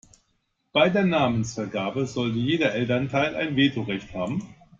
Bei der Namensvergabe sollte jeder Elternteil ein Veto-Recht haben.